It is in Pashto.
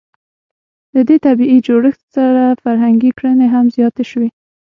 له دې طبیعي جوړښت سره فرهنګي کړنې هم زیاتې شوې.